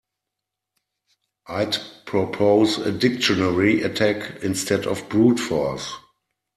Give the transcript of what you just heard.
I'd propose a dictionary attack instead of brute force.